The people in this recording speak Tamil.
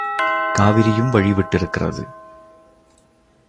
காவிரியும் வழி விட்டிருக்கிறது.